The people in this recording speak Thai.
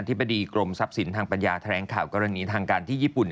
ธิบดีกรมทรัพย์สินทางปัญญาแถลงข่าวกรณีทางการที่ญี่ปุ่น